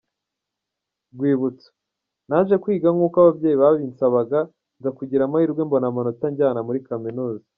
Rwibutso: Naje kwiga nkuko ababyeyi babinsabaga nza kugira amahirwe mbona amanota anjyana muri kaminuza.